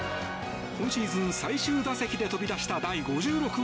今シーズン最終打席で飛び出した第５６号。